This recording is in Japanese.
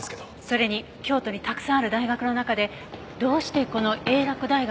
それに京都にたくさんある大学の中でどうしてこの英洛大学を選んだのか？